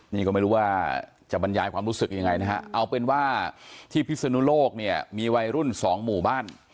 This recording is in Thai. นี่ก็ไม่รู้ว่าจะบรรยายความรู้สึกยังไงนะฮะเอาเป็นว่าที่พิศนุโลกเนี่ยมีวัยรุ่นสองหมู่บ้าน